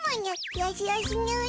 よしよしにゅい。